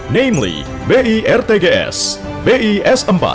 yaitu birtgs bis empat dan bietp